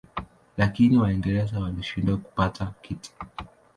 Lakini Waingereza walishindwa kupata kiti.